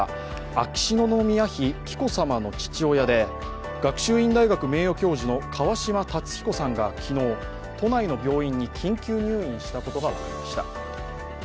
秋篠宮妃紀子さまの父親で学習院大学名誉教授の川嶋辰彦さんが昨日、都内の病院に緊急入院したことが分かりました。